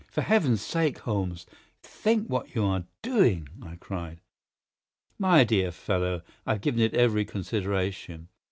"For Heaven's sake, Holmes, think what you are doing," I cried. "My dear fellow, I have given it every consideration.